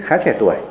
khá trẻ tuổi